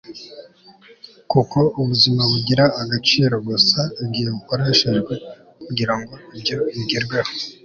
kuko ubuzima bugira agaciro gusa igihe bukoreshejwe kugira ngo ibyo bigerweho